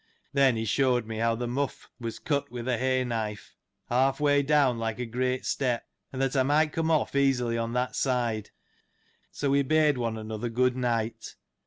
Then, he shewed me how the mough was cut with a hay knife, half way down, like a great step, and that I might come off easily on that side. So, we bade one another good night.